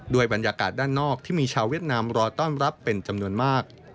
บรรยากาศด้านนอกที่มีชาวเวียดนามรอต้อนรับเป็นจำนวนมาก